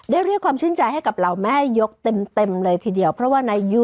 ได้เรียกความชื่นใจให้กับเราแม่ยกเต็มเลยทีเดียว